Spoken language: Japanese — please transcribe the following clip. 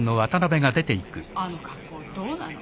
あの格好どうなの？